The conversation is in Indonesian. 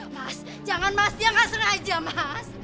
mas jangan mas dia gak sengaja mas